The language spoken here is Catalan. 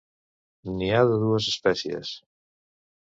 N'hi ha dues espècies.